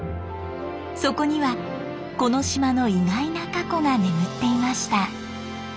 そこにはこの島の意外な過去が眠っていました。